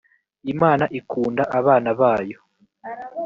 imana ikunda abana bayo.